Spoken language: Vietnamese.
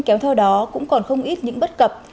kéo theo đó cũng còn không ít những bất cập